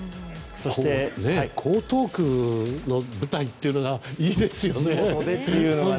江東区が舞台というのがいいですよね。